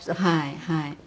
はいはい。